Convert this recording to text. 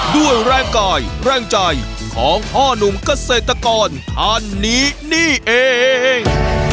ด้วยแรงกายแรงใจของพ่อนุ่มเกษตรกรท่านนี้นี่เอง